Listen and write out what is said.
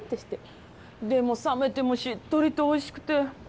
でも冷めてもしっとりとおいしくて。